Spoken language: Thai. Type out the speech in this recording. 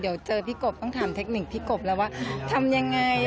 เดี๋ยวเจอพี่กบต้องถามเทคนิคพี่กบแล้วว่าทำยังไง